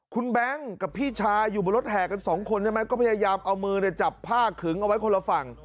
คุณแบงค์กับพี่ชายอยู่บนรถแห่กันสองคนใช่ไหมก็พยายามเอามือจับผ้าขึงเอาไว้คนละฝั่ง